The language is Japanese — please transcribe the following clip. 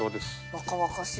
若々しい。